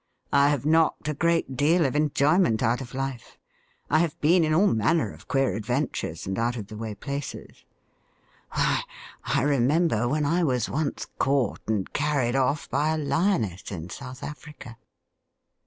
I have knocked a great deal of enjoyment out of life. I have been in all manner of queer adventures and out of the way places. Why, I re member when I was once caught and carried off by a lioness in South Africa.''